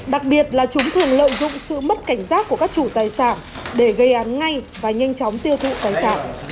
đặc biệt là chúng thường lợi dụng sự mất cảnh giác của các chủ tài sản để gây án ngay và nhanh chóng tiêu thụ tài sản